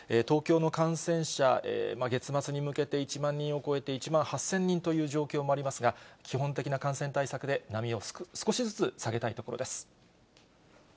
東京の感染者、月末に向けて１万人を超えて、１万８０００人という状況もありますが、基本的な感染対策で波を少しずつ下げたいところです。